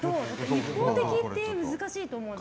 一方的って難しいと思うので。